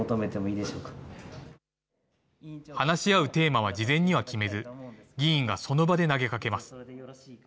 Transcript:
話し合うテーマは事前には決めず、議員がその場で投げかけます。